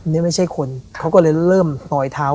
นี่ไม่ใช่คนเขาก็เลยเริ่มลอยเท้า